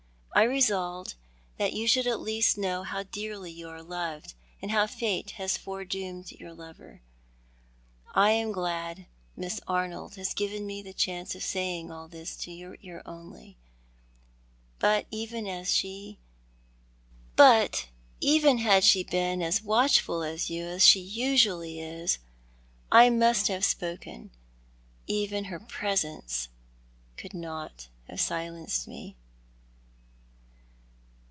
I resolved that you should at least know how dearly you are loved, and how Fate has foredoomed your lover. I am glad Miss Arnold has given me a chance of saying all this to your ear only ; but even had she been as watchful of you as she usually is, I must have spoken— even her presence could not have silenced me."